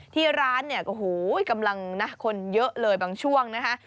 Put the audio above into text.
ที่ร้านเนี่ยโอ้โหกำลังนะคนเยอะเลยบางช่วงนะคะ